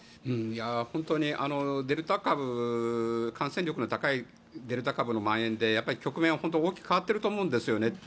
本当にデルタ株感染力の高いデルタ株のまん延で局面は本当に大きく変わっていると思うんですね。